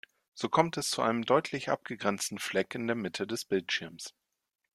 So kommt es zu einem deutlich abgegrenzten Fleck in der Mitte des Bildschirms.